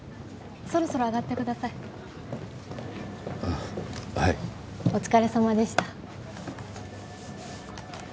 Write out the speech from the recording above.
そろそろ上がってくださいあっ